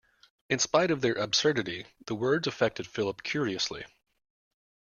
In spite of their absurdity the words affected Philip curiously.